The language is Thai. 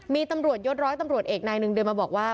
มีตำรวจยศร้อยตำรวจเอกนายหนึ่งเดินมาบอกว่า